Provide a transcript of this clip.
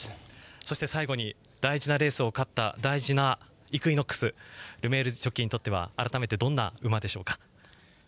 そして最後に大事なレースを勝った大事なイクイノックスルメールジョッキーにとっては改めて、どんな馬でしょうか？